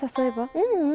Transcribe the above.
ううん。